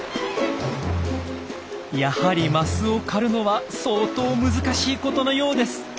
やはりマスを狩るのは相当難しいことのようです。